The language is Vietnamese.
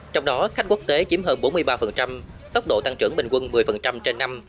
trong đó khách quốc tế chiếm hơn bốn mươi ba tốc độ tăng trưởng bình quân một mươi trên năm